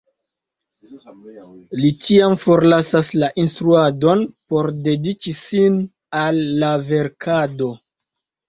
Li tiam forlasas la instruadon por dediĉi sin al la verkado.